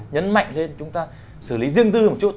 nhấn mạnh lên chúng ta xử lý riêng tư một chút